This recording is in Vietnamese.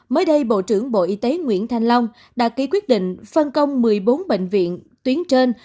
mới đây bộ trưởng bộ y tế nguyễn thanh long đã ký quyết định phân công một mươi bốn bệnh viện tuyến trên